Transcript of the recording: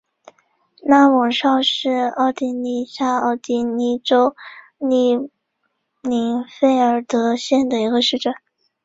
拉姆绍是奥地利下奥地利州利林费尔德县的一个市镇。